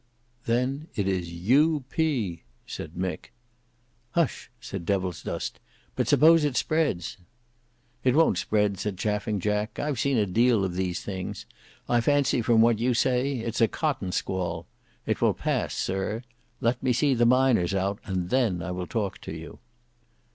"Then it is U P," said Mick. "Hush!" said Devilsdust. "But suppose it spreads?" "It won't spread," said Chaffing Jack. "I've seen a deal of these things. I fancy from what you say it's a cotton squall. It will pass, Sir. Let me see the miners out and then I will talk to you."